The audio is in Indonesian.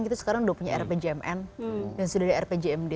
kita sekarang sudah punya rpjmn dan sudah ada rpjmd